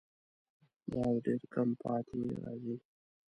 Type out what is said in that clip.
باز ډېر کم پاتې راځي